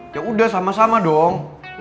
ya udah sama sama dong